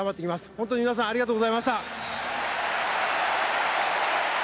本当に皆さんありがとうございました。